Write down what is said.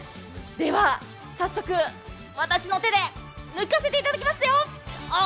では、早速私の手で抜かせていただきますよ！